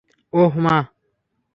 অহ, মা।